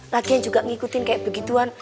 lagi yang juga ngikutin kayak begituan